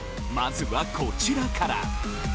まずはこちらから。